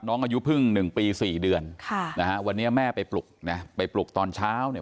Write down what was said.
น้องอายุพึ่ง๑ปี๔เดือนวันนี้แม่ไปปลุกไปปลุกตอนเช้า